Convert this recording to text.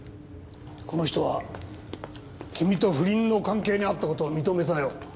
この人は君と不倫の関係にあった事を認めたよ。